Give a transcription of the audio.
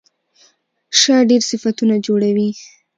شا ډېر صفتونه جوړوي.